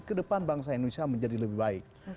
kedepan bangsa indonesia menjadi lebih baik